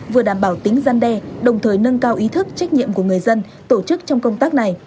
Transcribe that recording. vừa đảm bảo tính gian đe đồng thời nâng cao ý thức trách nhiệm của người dân tổ chức trong công tác này